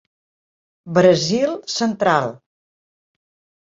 Brasil central.